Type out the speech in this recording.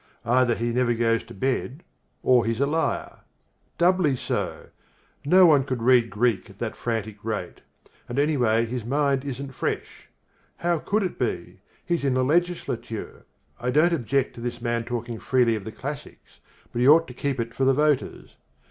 Either he never goes to bed or he's a liar. Doubly so: no one could read Greek at that frantic rate: and anyway his mind isn't fresh. How could it be, he's in the legislature. I don't object to this man talking freely of the classics, but he ought to keep it for the voters.